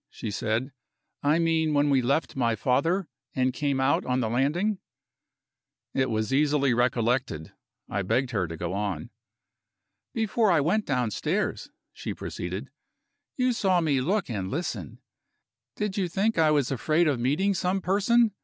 she said. "I mean when we left my father, and came out on the landing." It was easily recollected; I begged her to go on. "Before I went downstairs," she proceeded, "you saw me look and listen. Did you think I was afraid of meeting some person?